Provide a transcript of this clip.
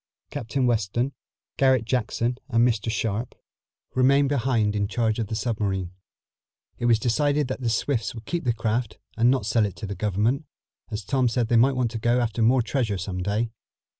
Captain Weston, Garret Jackson and Mr Sharp remained behind in charge of the submarine. It was decided that the Swifts would keep the craft and not sell it to the Government, as Tom said they might want to go after more treasure some day.